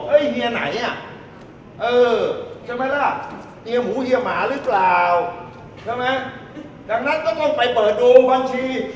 เอียงหูเอียงหมาหรือเปล่าใช่ไหมดังนั้นก็ต้องไปเปิดดูบัญชี